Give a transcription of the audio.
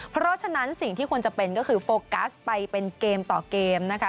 เพราะฉะนั้นสิ่งที่ควรจะเป็นก็คือโฟกัสไปเป็นเกมต่อเกมนะคะ